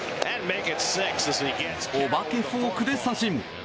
お化けフォークで三振。